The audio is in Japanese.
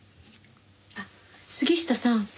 あっ杉下さん